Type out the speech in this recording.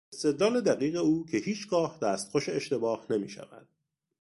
استدلال دقیق او که هیچگاه دستخوش اشتباه نمیشود.